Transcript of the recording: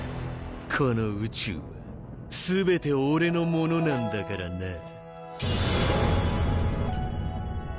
この宇宙は全て俺のものなんだからなぁ。